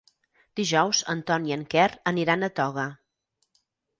Dijous en Ton i en Quer aniran a Toga.